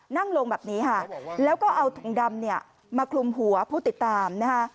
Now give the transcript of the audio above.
นั่งลงแบบนี้แล้วก็เอาถุงดำมาคลุมหัวผู้ติดตาม